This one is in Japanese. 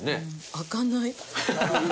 開かない。